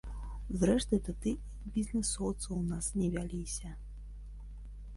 Зрэшты, тады і бізнэсоўцы ў нас не вяліся.